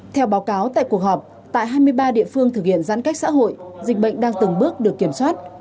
theo báo cáo tại cuộc họp tại hai mươi ba địa phương thực hiện giãn cách xã hội dịch bệnh đang từng bước được kiểm soát